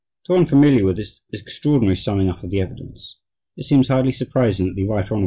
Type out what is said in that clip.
To one familiar with this extraordinary summing up of the evidence, it seems hardly surprising that the Rt. Hon.